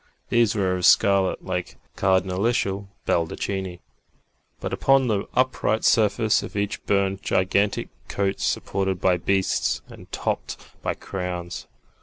These were of scarlet, like cardinalitial baldachini, but upon the upright surface of each burned gigantic coats supported by beasts and topped by crowns.